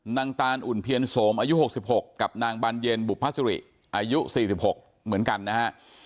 นางตานอุ่นเพียนโสมอายุหกสิบหกกับนางบานเย็นบุภาษุริอายุสี่สิบหกเหมือนกันนะฮะ